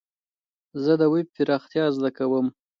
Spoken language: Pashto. زه د ويب پراختيا زده کوم.